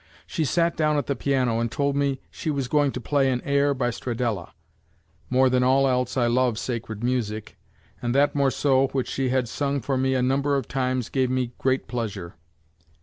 She sat down at the piano and told me she was going to play an air by Stradella. I love more than all else, sacred music, and that morceau which she sang for me a number of times, gave me great pleasure.